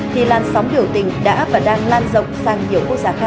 thì lan sóng biểu tình đã áp và đang lan rộng sang nhiều quốc gia khác